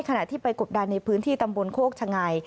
ขณะที่ไปกบดันในพื้นที่ตำบลโคกชะไง